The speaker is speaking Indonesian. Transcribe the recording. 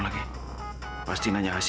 kamu kecapean ya mas